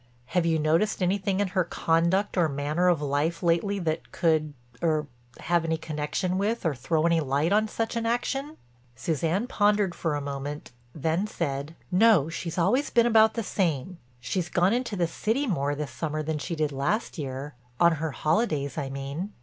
"Have you noticed anything in her conduct or manner of life lately that could—er—have any connection with or throw any light on such an action?" Suzanne pondered for a moment then said: "No—she's always been about the same. She's gone into the city more this summer than she did last year, on her holidays, I mean.